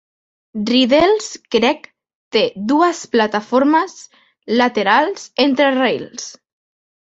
Riddells Creek té dues plataformes laterals entre rails.